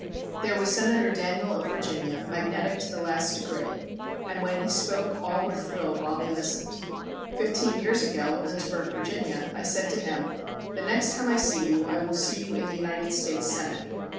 There was Senator Daniel of Virginia, magnetic to the last degree, and when he spoke all were thrilled while they listened. Fifteen years ago, at Lynchburg, Va., I said to him: "The next time I see you, I will see you in the United States Senate."